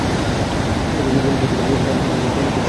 পন্ডিত, দেখেন তো, আমার দ্বিতীয় বিবাহের সুযোগ আছে নাকি?